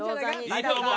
いいと思う！